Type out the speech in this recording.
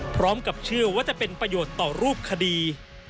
พร้อมกับเชื่อว่าจะเป็นประโยชน์ต่อรูปคดี